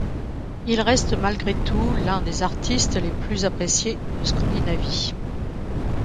Il reste malgré tout l'un des artistes les plus appréciés de Scandinavie.